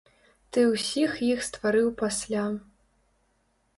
Ты ўсіх іх стварыў пасля.